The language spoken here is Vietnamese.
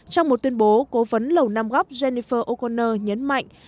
trong một tuyên bố cố vấn lầu nam góc jennifer o connor nhấn mạnh